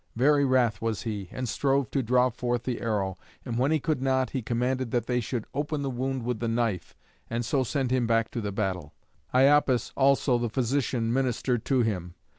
Very wrath was he, and strove to draw forth the arrow. And when he could not, he commanded that they should open the wound with the knife, and so send him back to the battle. Iapis also, the physician, ministered to him.